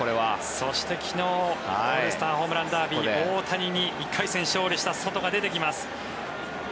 そして昨日、オールスターホームランダービー、大谷に１回戦勝利したソトが出てきます。